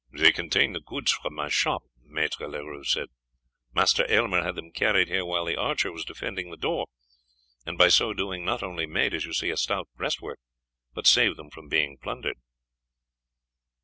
"They contain the goods from my shop," Maître Leroux said. "Master Aylmer had them carried here while the archer was defending the door, and by so doing not only made, as you see, a stout breast work, but saved them from being plundered."